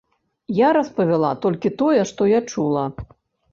Я распавяла толькі тое, што я чула.